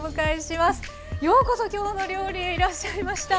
ようこそ「きょうの料理」へいらっしゃいました！